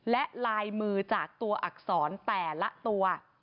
และลายมือจากตัวอักษรแต่ละตัว